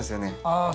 ああ